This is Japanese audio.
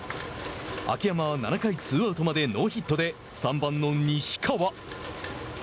秋山は７回ツーアウトまでノーヒットで３番の西川。